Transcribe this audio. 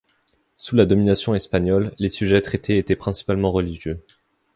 Sous la domination espagnole, les sujets traités étaient principalement religieux.